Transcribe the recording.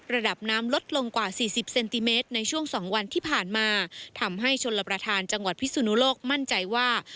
ระดับน้ำลดลงกว่าสี่สิบเซนติเมตรในช่วงสองวันที่ผ่านมาทำให้ชนลประธานจังหวัดพิสุนุโลกมั่นใจว่า